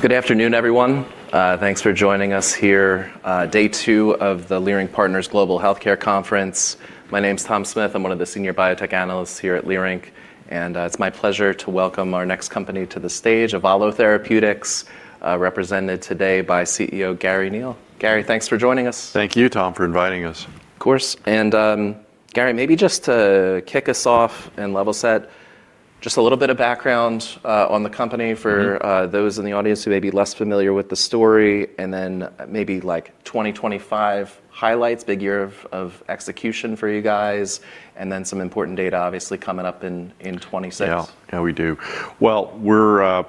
Good afternoon everyone. Thanks for joining us here, day two of the Leerink Partners Global Healthcare Conference. My name's Tom Smith, I'm one of the senior biotech analysts here at Leerink, and it's my pleasure to welcome our next company to the stage, Avalo Therapeutics, represented today by CEO Garry Neil. Garry, thanks for joining us. Thank you, Tom, for inviting us. Of course. Garry, maybe just to kick us off and level set, just a little bit of background, on the company for- Mm-hmm Those in the audience who may be less familiar with the story, and then maybe like 2025 highlights, big year of execution for you guys, and then some important data obviously coming up in 2026. Yeah. Yeah, we do. Well, we're a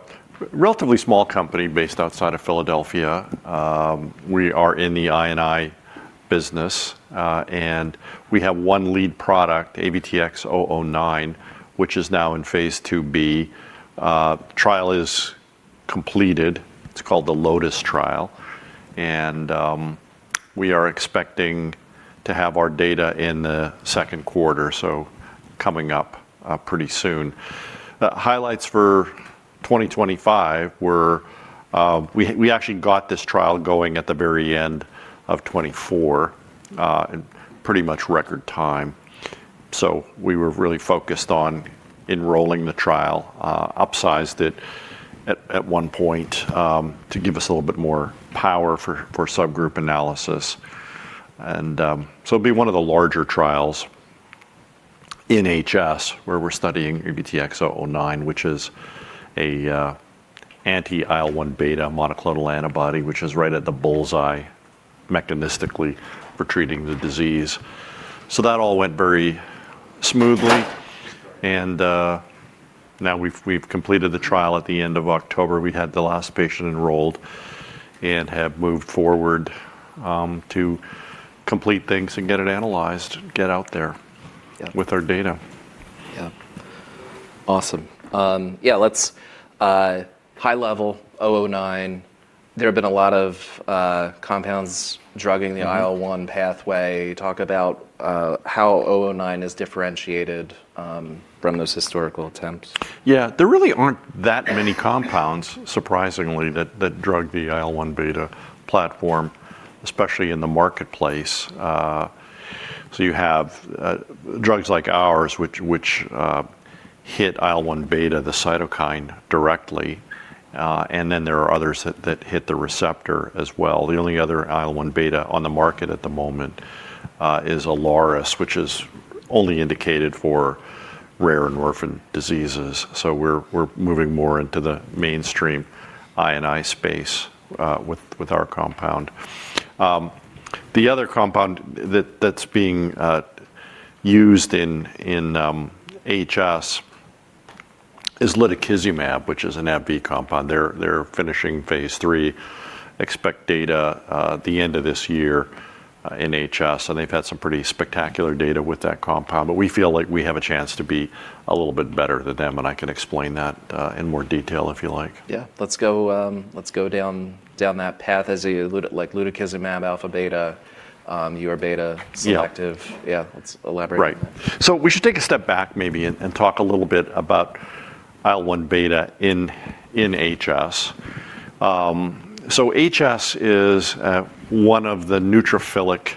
relatively small company based outside of Philadelphia. We are in the I&I business, and we have one lead product, AVTX-009, which is now in phase II-B. Trial is completed. It's called the LOTUS trial, and we are expecting to have our data in the second quarter, so coming up pretty soon. Highlights for 2025 were, we actually got this trial going at the very end of 2024, in pretty much record time. We were really focused on enrolling the trial, upsized it at one point, to give us a little bit more power for subgroup analysis. It'll be one of the larger trials in HS, where we're studying AVTX-009, which is an anti-IL-1β monoclonal antibody, which is right at the bull's eye mechanistically for treating the disease. That all went very smoothly. Now we've completed the trial at the end of October. We had the last patient enrolled and have moved forward to complete things and get it analyzed, get out there. Yeah with our data. Yeah. Awesome. Yeah, let's high level, 009, there have been a lot of compounds drugging the IL-1 pathway. Talk about how 009 is differentiated from those historical attempts. Yeah. There really aren't that many compounds, surprisingly, that drug the IL-1 beta platform, especially in the marketplace. You have drugs like ours, which hit IL-1 beta, the cytokine directly, and then there are others that hit the receptor as well. The only other IL-1 beta on the market at the moment is Ilaris, which is only indicated for rare and orphan diseases. We're moving more into the mainstream I&I space with our compound. The other compound that's being used in HS is Lutikizumab, which is an AbbVie compound. They're finishing phase III. Expect data at the end of this year in HS, and they've had some pretty spectacular data with that compound. We feel like we have a chance to be a little bit better than them, and I can explain that in more detail if you like. Yeah. Let's go down that path as you like Lutikizumab alpha beta, you are beta selective. Yeah. Yeah. Let's elaborate. Right. We should take a step back maybe and talk a little bit about IL-1β in HS. HS is one of the neutrophilic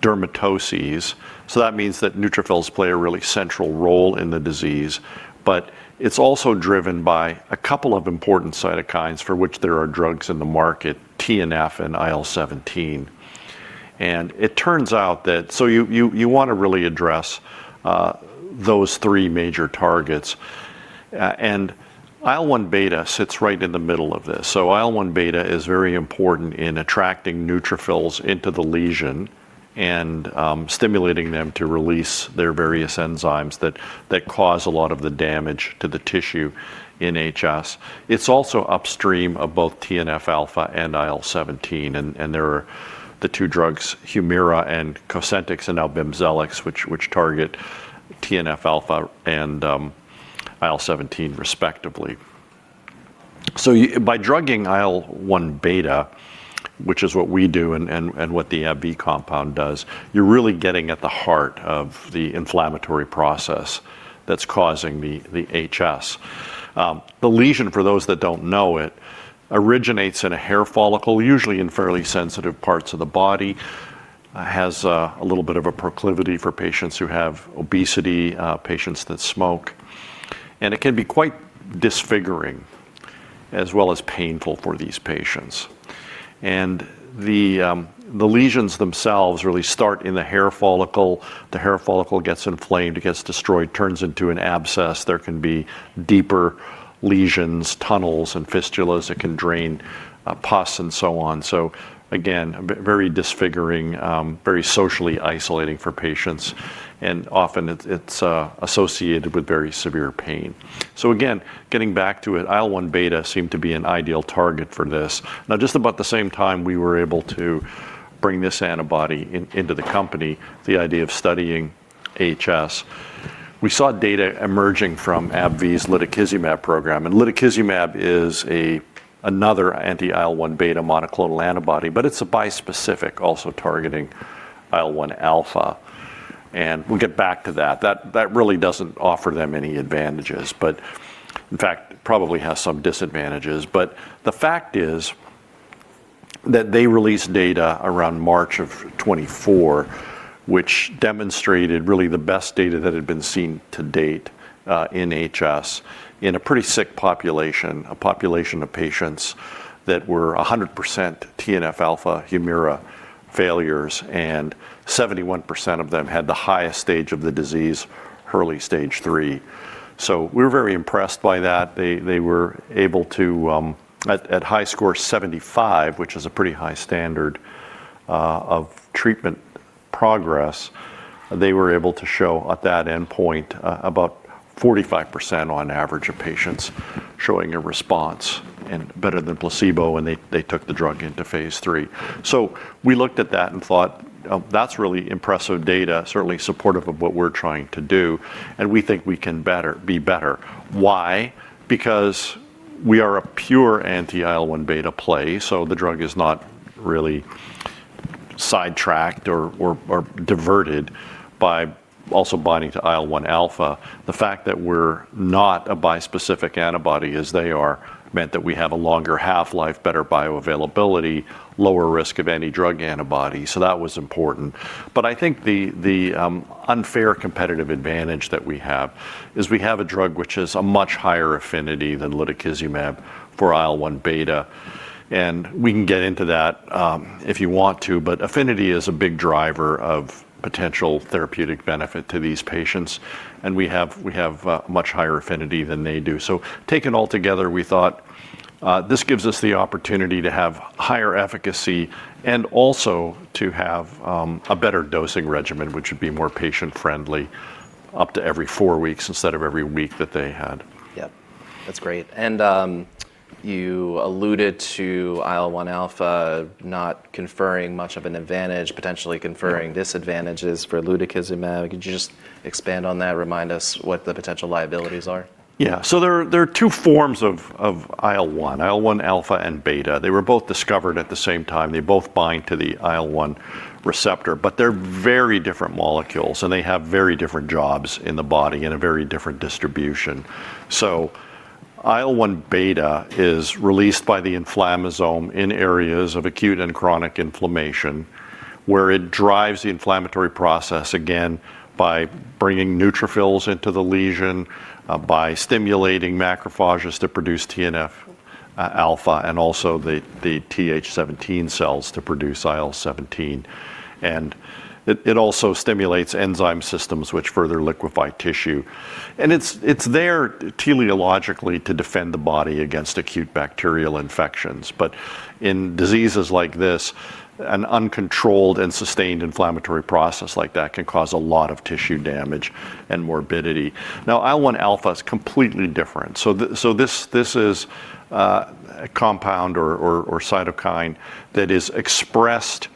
dermatoses, so that means that neutrophils play a really central role in the disease. It's also driven by a couple of important cytokines for which there are drugs in the market, TNF and IL-17. It turns out that you wanna really address those three major targets, and IL-1β sits right in the middle of this. IL-1β is very important in attracting neutrophils into the lesion and stimulating them to release their various enzymes that cause a lot of the damage to the tissue in HS. It's also upstream of both TNF-α and IL-17, and there are the two drugs, HUMIRA and COSENTYX and BIMZELX, which target TNF-α and IL-17 respectively. By drugging IL-1β, which is what we do and what the Avalo compound does, you're really getting at the heart of the inflammatory process that's causing the HS. The lesion, for those that don't know it, originates in a hair follicle, usually in fairly sensitive parts of the body, has a little bit of a proclivity for patients who have obesity, patients that smoke, and it can be quite disfiguring as well as painful for these patients. The lesions themselves really start in the hair follicle. The hair follicle gets inflamed, it gets destroyed, turns into an abscess. There can be deeper lesions, tunnels and fistulas that can drain pus and so on. Again, very disfiguring, very socially isolating for patients, and often it's associated with very severe pain. Again, getting back to it, IL-1β seemed to be an ideal target for this. Now, just about the same time we were able to bring this antibody into the company, the idea of studying HS, we saw data emerging from AbbVie's Lutikizumab program. Lutikizumab is another anti-IL-1β monoclonal antibody, but it's a bispecific also targeting IL-1α. We'll get back to that. That really doesn't offer them any advantages, but in fact, probably has some disadvantages. The fact is that they released data around March 2024 which demonstrated really the best data that had been seen to date in HS in a pretty sick population, a population of patients that were 100% TNF alpha HUMIRA failures, and 71% of them had the highest stage of the disease, Hurley stage 3. We were very impressed by that. They were able to at HiSCR75, which is a pretty high standard of treatment progress, show at that endpoint about 45% on average of patients showing a response and better than placebo, and they took the drug into phase III. We looked at that and thought, "Well, that's really impressive data, certainly supportive of what we're trying to do, and we think we can better, be better." Why? Because we are a pure anti-IL-1 beta play, so the drug is not really sidetracked or diverted by also binding to IL-1 alpha. The fact that we're not a bispecific antibody as they are meant that we have a longer half-life, better bioavailability, lower risk of anti-drug antibody, so that was important. But I think the unfair competitive advantage that we have is we have a drug which is a much higher affinity than Lutikizumab for IL-1 beta, and we can get into that if you want to. But affinity is a big driver of potential therapeutic benefit to these patients, and we have much higher affinity than they do. Taken altogether, we thought, this gives us the opportunity to have higher efficacy and also to have a better dosing regimen, which would be more patient friendly, up to every four weeks instead of every week that they had. Yep. That's great. You alluded to IL-1 alpha not conferring much of an advantage, potentially conferring disadvantages. Yeah ...for Lutikizumab. Could you just expand on that, remind us what the potential liabilities are? There are two forms of IL-1, IL-1α and IL-1β. They were both discovered at the same time. They both bind to the IL-1 receptor. They're very different molecules, and they have very different jobs in the body and a very different distribution. IL-1β is released by the inflammasome in areas of acute and chronic inflammation, where it drives the inflammatory process, again, by bringing neutrophils into the lesion, by stimulating macrophages to produce TNF-α and also the Th17 cells to produce IL-17. It also stimulates enzyme systems which further liquefy tissue. It's there teleologically to defend the body against acute bacterial infections. In diseases like this, an uncontrolled and sustained inflammatory process like that can cause a lot of tissue damage and morbidity. Now, IL-1α is completely different. This is a compound or cytokine that is expressed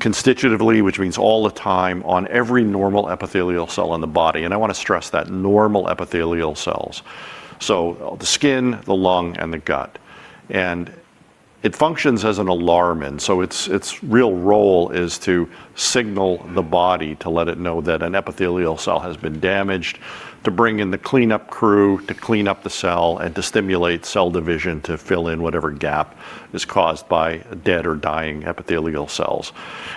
constitutively, which means all the time, on every normal epithelial cell in the body. I want to stress that normal epithelial cells, so the skin, the lung, and the gut, and it functions as an alarmin. Its real role is to signal the body to let it know that an epithelial cell has been damaged, to bring in the cleanup crew, to clean up the cell, and to stimulate cell division to fill in whatever gap is caused by dead or dying epithelial cells.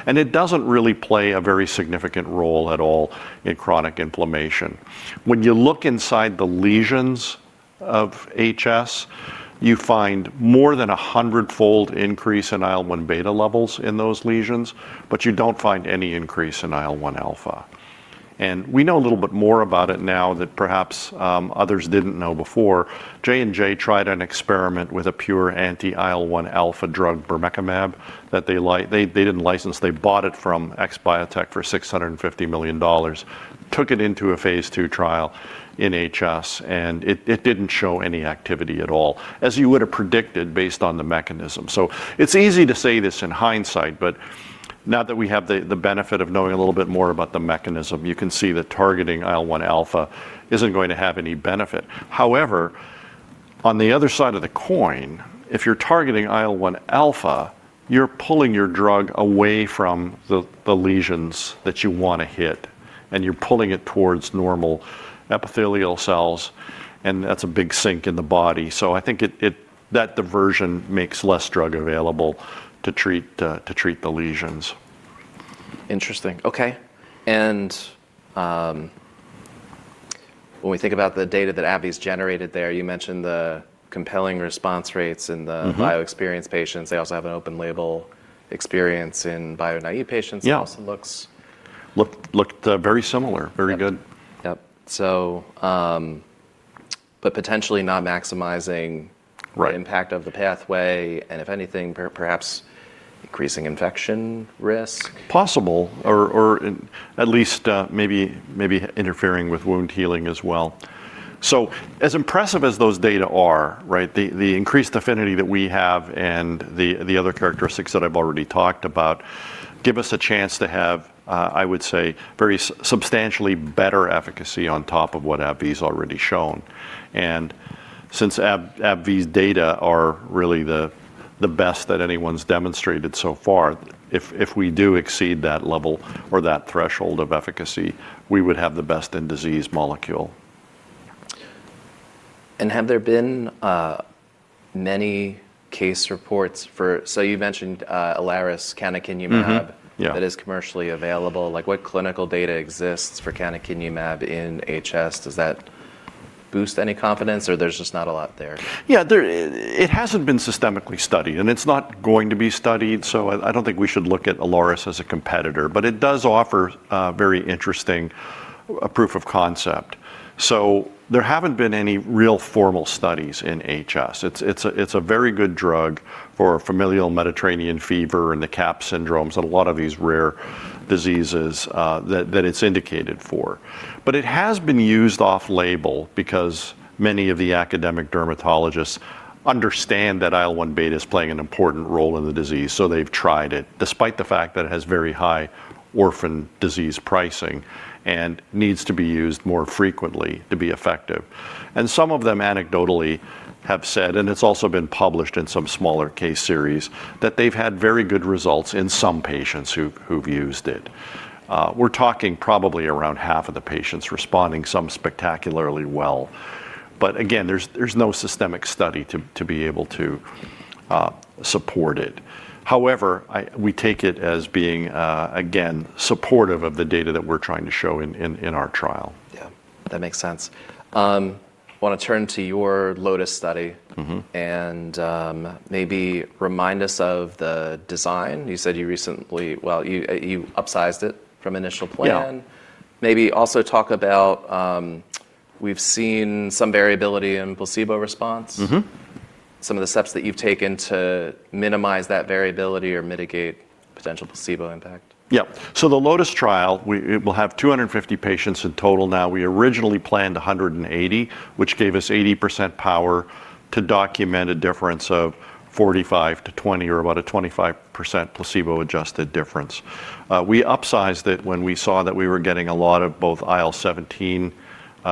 It doesn't really play a very significant role at all in chronic inflammation. When you look inside the lesions of HS, you find more than a hundred-fold increase in IL-1 beta levels in those lesions, but you don't find any increase in IL-1 alpha. We know a little bit more about it now that perhaps, others didn't know before. J&J tried an experiment with a pure anti-IL-1 alpha drug, Bermekimab, that they didn't license. They bought it from XBiotech for $650 million, took it into a phase II trial in HS, and it didn't show any activity at all, as you would have predicted based on the mechanism. It's easy to say this in hindsight, but now that we have the benefit of knowing a little bit more about the mechanism, you can see that targeting IL-1 alpha isn't going to have any benefit. However, on the other side of the coin, if you're targeting IL-1 alpha, you're pulling your drug away from the lesions that you wanna hit, and you're pulling it towards normal epithelial cells, and that's a big sink in the body. I think that diversion makes less drug available to treat the lesions. Interesting. Okay. When we think about the data that AbbVie's generated there, you mentioned the compelling response rates in the Mm-hmm Bio-experienced patients. They also have an open label experience in bio-naive patients. Yeah that also looks. Looked very similar. Yep. Very good. Yep. potentially not maximizing. Right the impact of the pathway, and if anything, perhaps increasing infection risk? Possible. Or at least, maybe interfering with wound healing as well. As impressive as those data are, right? The increased affinity that we have and the other characteristics that I've already talked about give us a chance to have, I would say very substantially better efficacy on top of what AbbVie's already shown. Since AbbVie's data are really the best that anyone's demonstrated so far, if we do exceed that level or that threshold of efficacy, we would have the best in disease molecule. Have there been many case reports? You mentioned Ilaris canakinumab. Mm-hmm. Yeah that is commercially available. Like, what clinical data exists for canakinumab in HS? Does that boost any confidence or there's just not a lot there? Yeah. It hasn't been systematically studied, and it's not going to be studied, so I don't think we should look at Ilaris as a competitor. It does offer very interesting proof of concept. There haven't been any real formal studies in HS. It's a very good drug for familial Mediterranean fever and the CAPS and a lot of these rare diseases that it's indicated for. It has been used off-label because many of the academic dermatologists understand that IL-1 beta is playing an important role in the disease, so they've tried it, despite the fact that it has very high orphan disease pricing and needs to be used more frequently to be effective. Some of them anecdotally have said, and it's also been published in some smaller case series, that they've had very good results in some patients who've used it. We're talking probably around half of the patients responding, some spectacularly well. Again, there's no systemic study to be able to support it. However, we take it as being, again, supportive of the data that we're trying to show in our trial. Yeah. That makes sense. Wanna turn to your LOTUS study? Mm-hmm maybe remind us of the design. You said well, you upsized it from initial plan. Yeah. Maybe also talk about, we've seen some variability in placebo response. Mm-hmm. Some of the steps that you've taken to minimize that variability or mitigate potential placebo impact. The LOTUS trial it will have 250 patients in total now. We originally planned 180, which gave us 80% power to document a difference of 45%-20% or about a 25% placebo-adjusted difference. We upsized it when we saw that we were getting a lot of both IL-17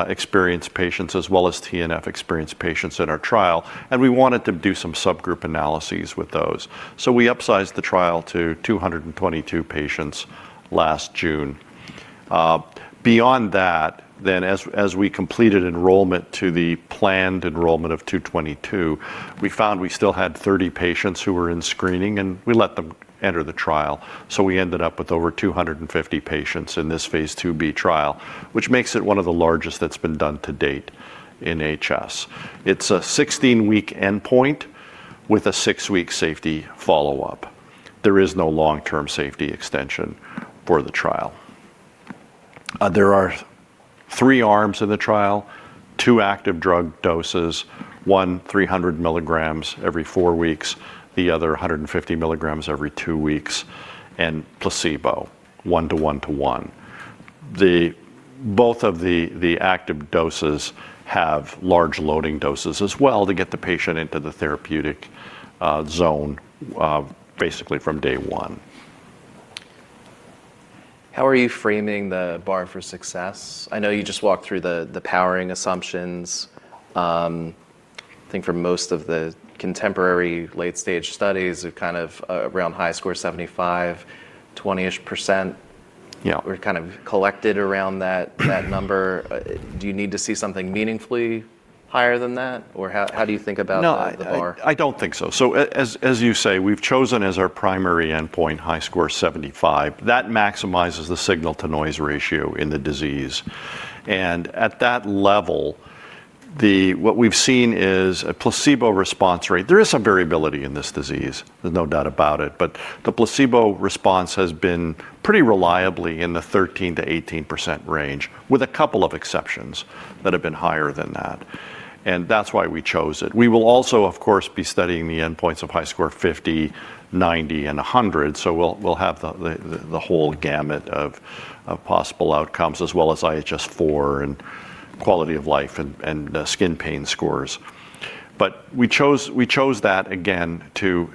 experience patients as well as TNF experience patients in our trial, and we wanted to do some subgroup analyses with those. We upsized the trial to 222 patients last June. Beyond that, then as we completed enrollment to the planned enrollment of 222, we found we still had 30 patients who were in screening, and we let them enter the trial. We ended up with over 250 patients in this phase II-B trial, which makes it one of the largest that's been done to date in HS. It's a 16-week endpoint with a 6-week safety follow-up. There is no long-term safety extension for the trial. There are three arms in the trial, two active drug doses, one 300 mg every four weeks, the other 150 mg every two weeks, and placebo, 1:1:1. Both of the active doses have large loading doses as well to get the patient into the therapeutic zone, basically from day one. How are you framing the bar for success? I know you just walked through the powering assumptions. I think for most of the contemporary late-stage studies, we've kind of around HiSCR75, 20%. Yeah We've kind of collected around that number. Do you need to see something meaningfully higher than that? Or how do you think about the bar? No, I don't think so. As you say, we've chosen as our primary endpoint HiSCR75. That maximizes the signal-to-noise ratio in the disease. At that level, what we've seen is a placebo response rate. There is some variability in this disease, there's no doubt about it, but the placebo response has been pretty reliably in the 13%-18% range, with a couple of exceptions that have been higher than that. That's why we chose it. We will also, of course, be studying the endpoints of HiSCR50, 90, and 100, so we'll have the whole gamut of possible outcomes, as well as IHS4 and quality of life and skin pain scores. We chose that again to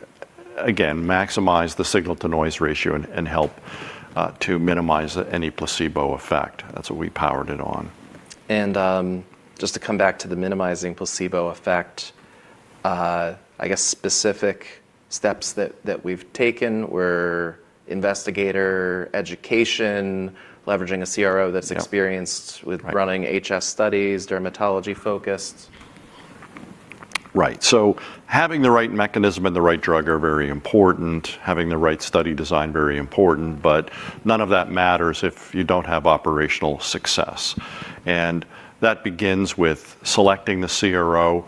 maximize the signal-to-noise ratio and help to minimize any placebo effect. That's what we powered it on. Just to come back to the minimizing placebo effect, I guess specific steps that we've taken were investigator education, leveraging a CRO that's experienced. Yeah... with running HS studies, dermatology-focused. Right. Having the right mechanism and the right drug are very important, having the right study design very important, but none of that matters if you don't have operational success. That begins with selecting the CRO.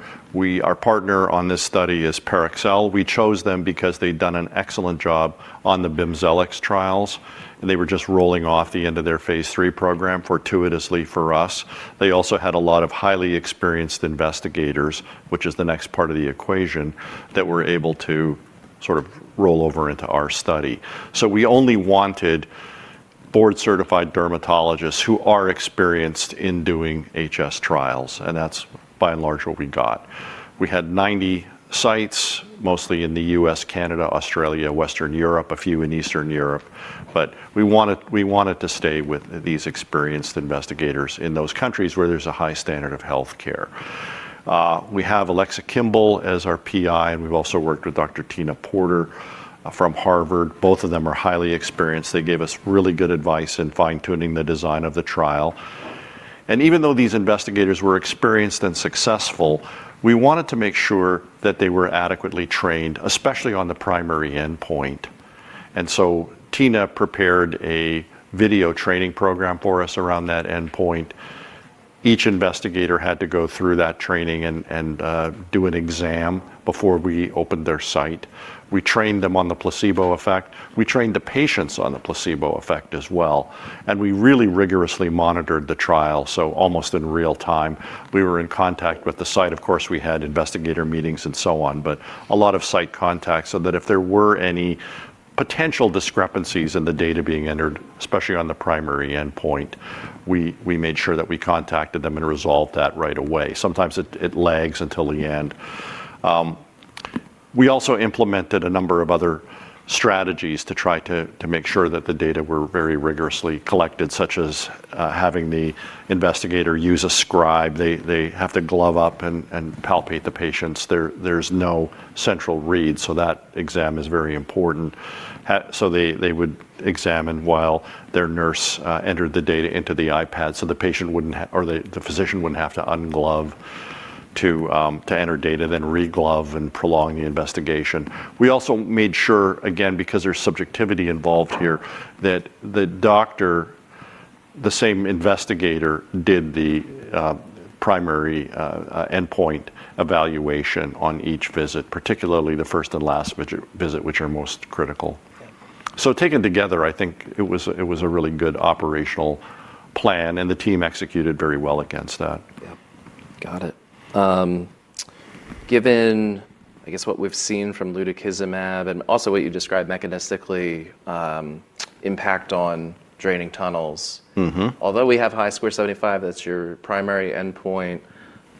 Our partner on this study is Parexel. We chose them because they'd done an excellent job on the BIMZELX trials. They were just rolling off the end of their phase III program, fortuitously for us. They also had a lot of highly experienced investigators, which is the next part of the equation, that were able to sort of roll over into our study. We only wanted board-certified dermatologists who are experienced in doing HS trials, and that's by and large what we got. We had 90 sites, mostly in the U.S., Canada, Australia, Western Europe, a few in Eastern Europe. We wanted to stay with these experienced investigators in those countries where there's a high standard of healthcare. We have Alexa Kimball as our PI, and we've also worked with Dr. Tina Bhutani from Harvard. Both of them are highly experienced. They gave us really good advice in fine-tuning the design of the trial. Even though these investigators were experienced and successful, we wanted to make sure that they were adequately trained, especially on the primary endpoint. Tina prepared a video training program for us around that endpoint. Each investigator had to go through that training and do an exam before we opened their site. We trained them on the placebo effect. We trained the patients on the placebo effect as well, and we really rigorously monitored the trial almost in real time. We were in contact with the site. Of course, we had investigator meetings and so on, but a lot of site contacts, so that if there were any potential discrepancies in the data being entered, especially on the primary endpoint, we made sure that we contacted them and resolved that right away. Sometimes it lags until the end. We also implemented a number of other strategies to try to make sure that the data were very rigorously collected, such as having the investigator use a scribe. They have to glove up and palpate the patients. There's no central read, so that exam is very important. They would examine while their nurse entered the data into the iPad so the patient wouldn't or the physician wouldn't have to unglove to enter data, then reglove and prolong the investigation. We also made sure, again, because there's subjectivity involved here, that the doctor, the same investigator, did the primary endpoint evaluation on each visit, particularly the first and last visit, which are most critical. Taken together, I think it was a really good operational plan, and the team executed very well against that. Yep. Got it. Given I guess what we've seen from Lutikizumab, and also what you described mechanistically, impact on draining tunnels. Mm-hmm. Although we have HiSCR75, that's your primary endpoint,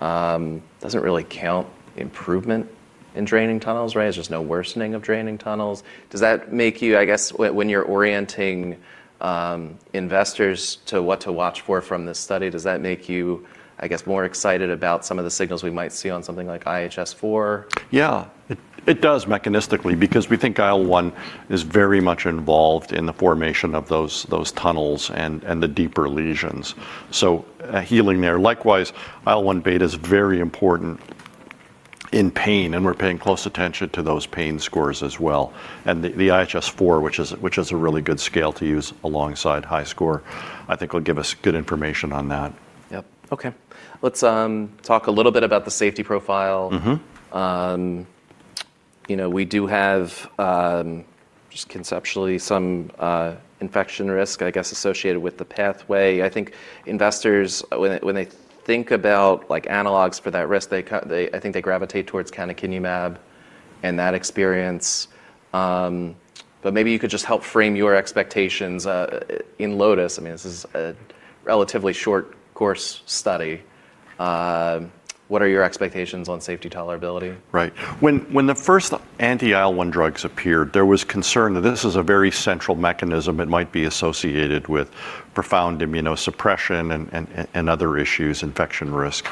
doesn't really count improvement in draining tunnels, right? It's just no worsening of draining tunnels. Does that make you, I guess when you're orienting investors to what to watch for from this study, does that make you, I guess, more excited about some of the signals we might see on something like IHS4? Yeah. It does mechanistically because we think IL-1 is very much involved in the formation of those tunnels and the deeper lesions. A healing there. Likewise, IL-1β is very important in pain, and we're paying close attention to those pain scores as well, and the IHS4, which is a really good scale to use alongside HiSCR, I think will give us good information on that. Yep. Okay. Let's talk a little bit about the safety profile. Mm-hmm. You know, we do have just conceptually some infection risk, I guess, associated with the pathway. I think investors when they think about like analogs for that risk, I think they gravitate towards canakinumab and that experience. Maybe you could just help frame your expectations in LOTUS. I mean, this is a relatively short course study. What are your expectations on safety tolerability? Right. When the first anti-IL-1 drugs appeared, there was concern that this is a very central mechanism. It might be associated with profound immunosuppression and other issues, infection risk.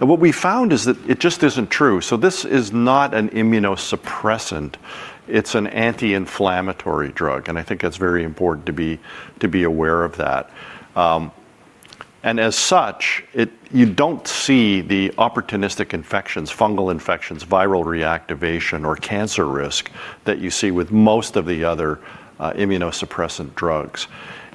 What we found is that it just isn't true. This is not an immunosuppressant, it's an anti-inflammatory drug, and I think that's very important to be aware of that. As such, you don't see the opportunistic infections, fungal infections, viral reactivation, or cancer risk that you see with most of the other immunosuppressant drugs.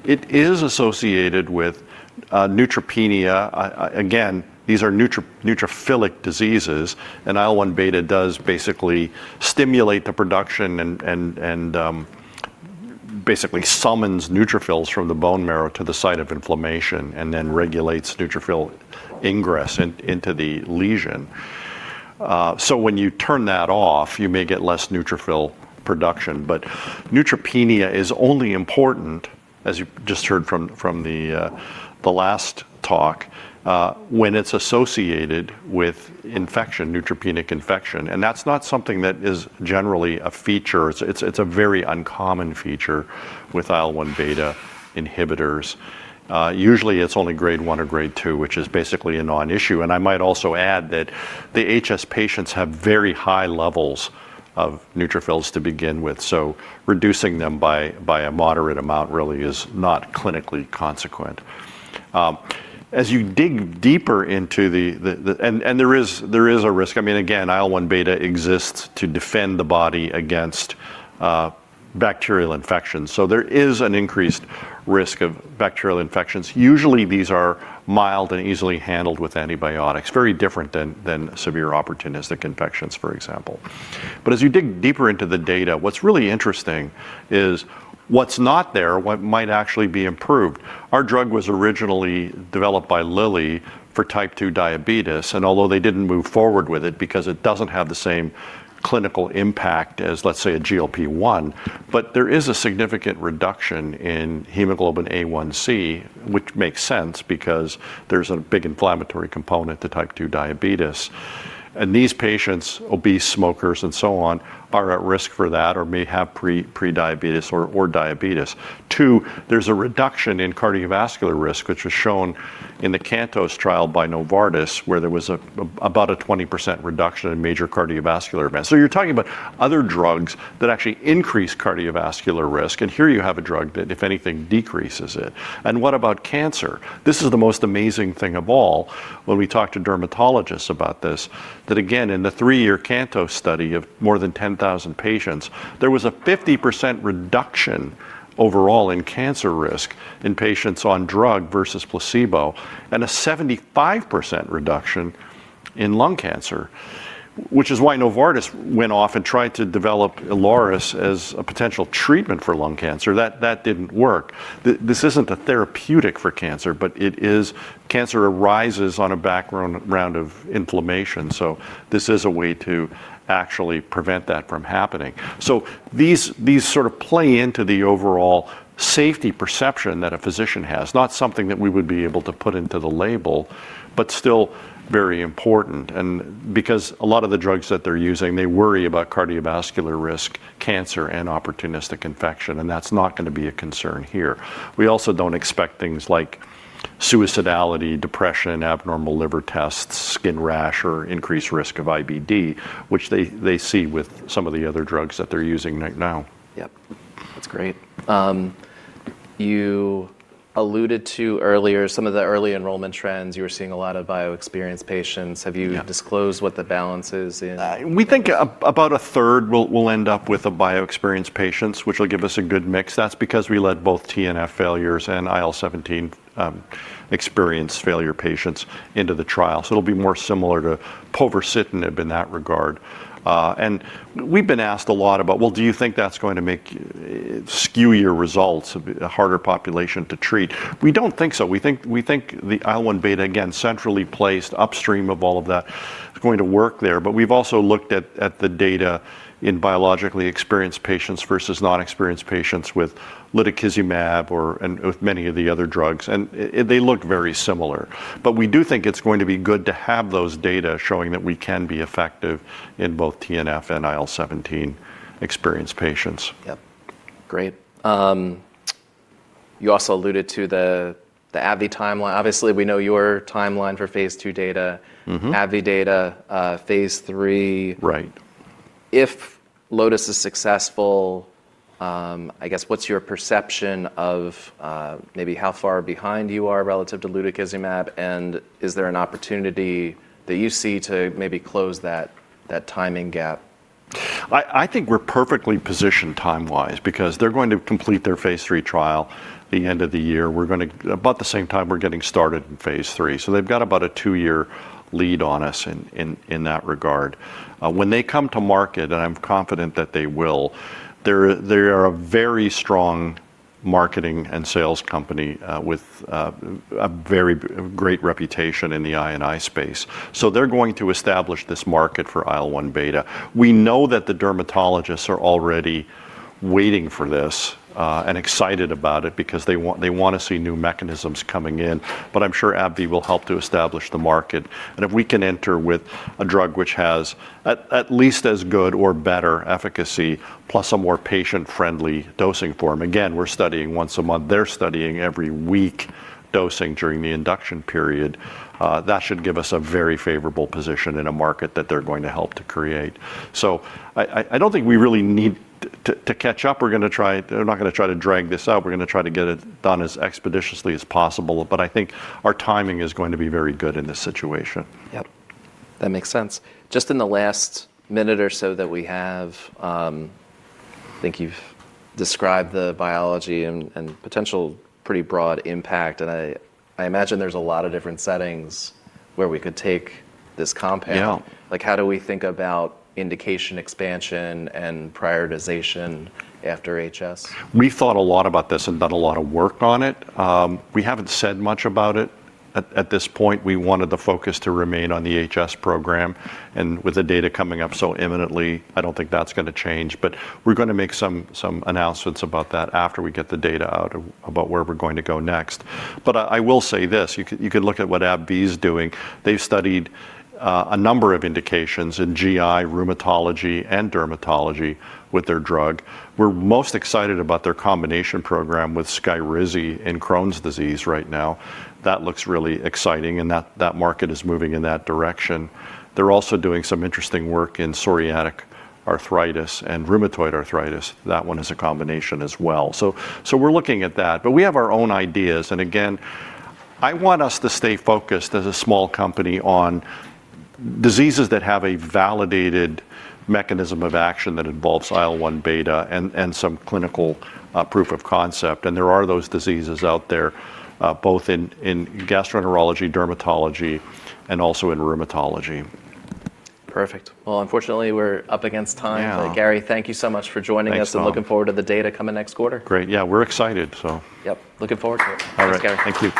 It is associated with neutropenia. Again, these are neutrophilic diseases, and IL-1β does basically stimulate the production and basically summons neutrophils from the bone marrow to the site of inflammation and then regulates neutrophil ingress into the lesion. When you turn that off, you may get less neutrophil production. Neutropenia is only important, as you just heard from the last talk, when it's associated with infection, neutropenic infection, and that's not something that is generally a feature. It's a very uncommon feature with IL-1β inhibitors. Usually it's only grade 1 or grade 2, which is basically a non-issue. I might also add that the HS patients have very high levels of neutrophils to begin with, so reducing them by a moderate amount really is not clinically consequent. There is a risk. I mean, again, IL-1β exists to defend the body against bacterial infections, so there is an increased risk of bacterial infections. Usually, these are mild and easily handled with antibiotics. Very different than severe opportunistic infections, for example. As you dig deeper into the data, what's really interesting is what's not there, what might actually be improved. Our drug was originally developed by Lilly for type 2 diabetes, and although they didn't move forward with it because it doesn't have the same clinical impact as, let's say, a GLP-1. There is a significant reduction in hemoglobin A1C, which makes sense because there's a big inflammatory component to Type 2 diabetes. These patients, obese smokers and so on, are at risk for that or may have prediabetes or diabetes. Two, there's a reduction in cardiovascular risk, which was shown in the CANTOS trial by Novartis, where there was about a 20% reduction in major cardiovascular events. You're talking about other drugs that actually increase cardiovascular risk, and here you have a drug that, if anything, decreases it. What about cancer? This is the most amazing thing of all, when we talk to dermatologists about this, that again, in the three-year CANTOS study of more than 10,000 patients, there was a 50% reduction overall in cancer risk in patients on drug versus placebo, and a 75% reduction in lung cancer, which is why Novartis went off and tried to develop Ilaris as a potential treatment for lung cancer. That didn't work. This isn't a therapeutic for cancer, but it is. Cancer arises on a background round of inflammation, so this is a way to actually prevent that from happening. These sort of play into the overall safety perception that a physician has, not something that we would be able to put into the label, but still very important because a lot of the drugs that they're using, they worry about cardiovascular risk, cancer, and opportunistic infection, and that's not gonna be a concern here. We also don't expect things like suicidality, depression, abnormal liver tests, skin rash, or increased risk of IBD, which they see with some of the other drugs that they're using right now. Yep. That's great. You alluded to earlier some of the early enrollment trends. You were seeing a lot of bio-experienced patients. Yeah. Have you disclosed what the balance is in? We think about a third we'll end up with biologic-experienced patients, which will give us a good mix. That's because we'll lead both TNF failures and IL-17 experienced failure patients into the trial. It'll be more similar to Povorcitinib in that regard. We've been asked a lot about, well, do you think that's going to make skew your results of a harder population to treat? We don't think so. We think the IL-1β, again, centrally placed upstream of all of that, is going to work there. We've also looked at the data in biologically experienced patients versus non-experienced patients with Lutikizumab or and with many of the other drugs, and they look very similar. We do think it's going to be good to have those data showing that we can be effective in both TNF and IL-17 experienced patients. Yep. Great. You also alluded to the AbbVie timeline. Obviously, we know your timeline for phase II data. Mm-hmm. AbbVie data, phase III. Right. If LOTUS is successful, I guess what's your perception of maybe how far behind you are relative to Lutikizumab, and is there an opportunity that you see to maybe close that timing gap? I think we're perfectly positioned time-wise because they're going to complete their phase III trial the end of the year. About the same time we're getting started in phase III. They've got about a two-year lead on us in that regard. When they come to market, and I'm confident that they will, they are a very strong marketing and sales company with a very great reputation in the I&I space. They're going to establish this market for IL-1β. We know that the dermatologists are already waiting for this and excited about it because they wanna see new mechanisms coming in. I'm sure AbbVie will help to establish the market, and if we can enter with a drug which has at least as good or better efficacy plus a more patient-friendly dosing form. Again, we're studying once a month. They're studying every week dosing during the induction period. That should give us a very favorable position in a market that they're going to help to create. I don't think we really need to catch up. We're not gonna try to drag this out. We're gonna try to get it done as expeditiously as possible, but I think our timing is going to be very good in this situation. Yep. That makes sense. Just in the last minute or so that we have, I think you've described the biology and potential pretty broad impact, and I imagine there's a lot of different settings where we could take this compound. Yeah. Like, how do we think about indication expansion and prioritization after HS? We thought a lot about this and done a lot of work on it. We haven't said much about it at this point. We wanted the focus to remain on the HS program, and with the data coming up so imminently, I don't think that's gonna change. We're gonna make some announcements about that after we get the data out about where we're going to go next. I will say this, you could look at what AbbVie is doing. They've studied a number of indications in GI, rheumatology, and dermatology with their drug. We're most excited about their combination program with SKYRIZI in Crohn's disease right now. That looks really exciting, and that market is moving in that direction. They're also doing some interesting work in psoriatic arthritis and rheumatoid arthritis. That one is a combination as well. We're looking at that. We have our own ideas, and again, I want us to stay focused as a small company on diseases that have a validated mechanism of action that involves IL-1β and some clinical proof of concept, and there are those diseases out there, both in gastroenterology, dermatology, and also in rheumatology. Perfect. Well, unfortunately, we're up against time. Yeah. Garry, thank you so much for joining us. Thanks, Tom. I'm looking forward to the data coming next quarter. Great, yeah. We're excited, so. Yep. Looking forward to it. All right. Thanks, Garry.